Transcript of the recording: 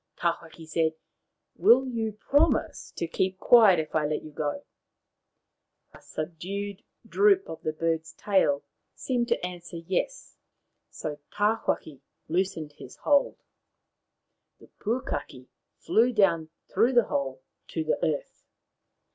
Tawhaki said, " Will you promise to keep quiet if I let you go ?" A subdued droop of the bird's tail seemed to answer " yes," so Tawhaki loosed his hold. The Pukaki fled down through the hole to the earth.